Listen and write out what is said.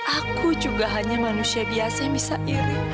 aku juga hanya manusia biasa yang bisa iri